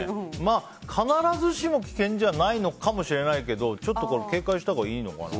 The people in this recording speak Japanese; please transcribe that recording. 必ずしも危険じゃないのかもしれないけどちょっと警戒したほうがいいのかな。